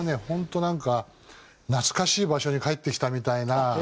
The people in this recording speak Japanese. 本当なんか懐かしい場所に帰ってきたみたいな。